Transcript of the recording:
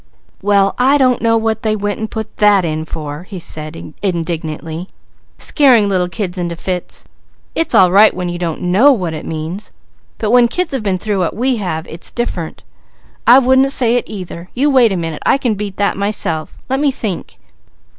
"Well I don't know what they went and put that in for," he said indignantly. "Scaring little kids into fits! It's all right when you don't know what it means, but when kids has been through what we have, it's different. I wouldn't say it either. You wait a minute. I can beat that myself. Let me think.